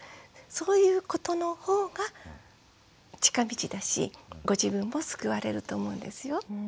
そういうことの方が近道だしご自分も救われると思うんですよ。